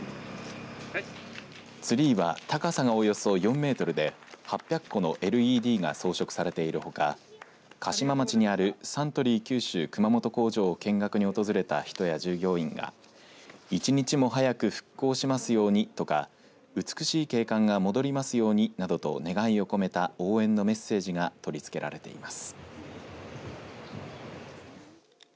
ツリーは高さがおよそ４メートルで８００個のＬＥＤが装飾されているほか嘉島町にあるサントリー九州熊本工場を見学に訪れた人や従業員が一日も早く復興しますようにとか美しい景観が戻りますようになどと願いを込めた応援のメッセージが取り付けられています。